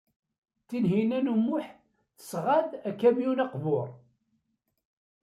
Tinhinan u Muḥ tesɣa-d akamyun aqbur.